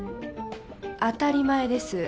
当たり前です。